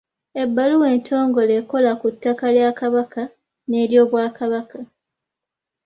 Ebbaluwa entongole ekola ku ttaka lya Kabaka n’ery’Obwakabaka.